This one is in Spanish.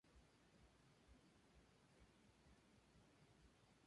Se formó en la Phillips Academy y en la Universidad de Yale.